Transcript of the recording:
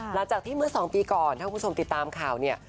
หลังจากที่เมื่อ๒ปีก่อนถ้าคุณผู้ชมติดตามข่าวเนี่ย